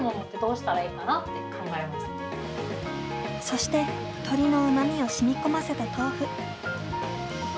そして、鶏のうまみを染み込ませた豆腐。